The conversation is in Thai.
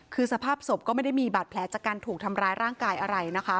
คือสภาพศพก็ไม่ได้มีบาดแผลจากการถูกทำร้ายร่างกายอะไรนะคะ